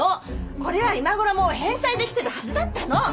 これは今頃もう返済できてるはずだったの。